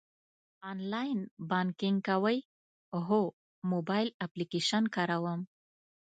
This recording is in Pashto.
آنلاین بانکینګ کوئ؟ هو، موبایل اپلیکیشن کاروم